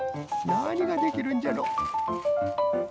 なにができるんじゃろ？